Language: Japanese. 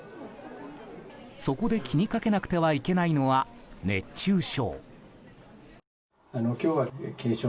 そこで気にかけなくてはいけないのは、熱中症。